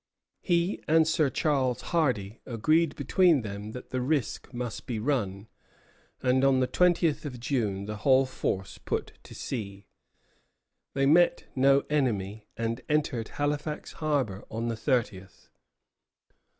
He and Sir Charles Hardy agreed between them that the risk must be run; and on the twentieth of June the whole force put to sea. They met no enemy, and entered Halifax harbor on the thirtieth.